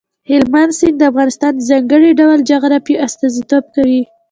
هلمند سیند د افغانستان د ځانګړي ډول جغرافیه استازیتوب کوي.